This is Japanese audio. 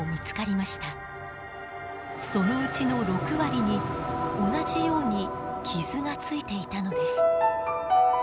そのうちの６割に同じように傷がついていたのです。